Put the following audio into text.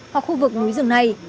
hoặc khu vực núi rừng này